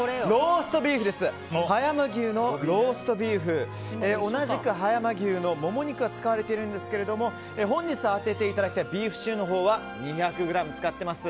葉山牛のローストビーフ同じく葉山牛のモモ肉が使われているんですが本日、当てていただきたいビーフシチューのほうは２００ｇ使っています。